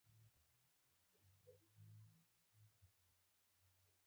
دلته هم هماغه پخوانی ترننی پیل شو.